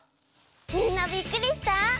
みんなびっくりした？